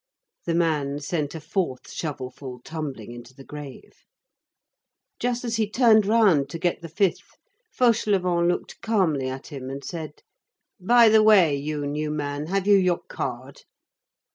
The man sent a fourth shovelful tumbling into the grave. Just as he turned round to get the fifth, Fauchelevent looked calmly at him and said:— "By the way, you new man, have you your card?"